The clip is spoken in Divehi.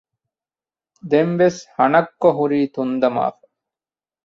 ދެން ވެސް ހަނައްކޮ ހުރީ ތުންދަމާފަ